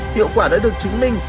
hiệu quả đã được chứng minh